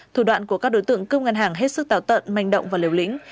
thủ đoạn của các đối tượng cướp ngân hàng hết sức táo tận manh động và liều lĩnh